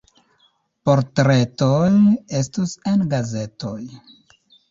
Portretoj estos en gazetoj.